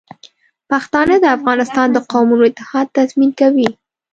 پښتانه د افغانستان د قومونو اتحاد تضمین کوي.